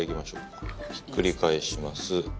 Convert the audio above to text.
ひっくり返します。